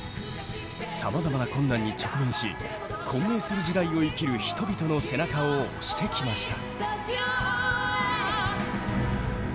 さまざまな困難に直面し混迷する時代を生きる人々の背中を押してきました。